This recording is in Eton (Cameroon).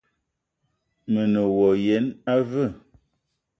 Me ne wa yene aveu?